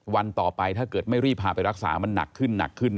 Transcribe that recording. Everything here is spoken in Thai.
วันต่อไปถ้าเกิดไม่รีบพาไปรักษามันหนักขึ้นหนักขึ้น